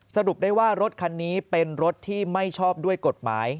สรุปได้ว่ารถคันนี้เป็นรถที่ไม่ชอบด้วยกฎหมาย